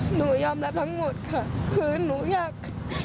หนูยอมรับทั้งหมดค่ะคือหนูอยาก